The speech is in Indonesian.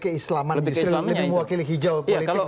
keislaman lebih mewakili hijau